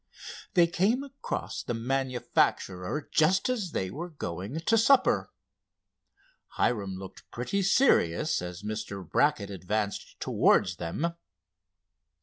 They came across the manufacturer just as they were going to supper. Hiram looked pretty serious as Mr. Brackett advanced towards them.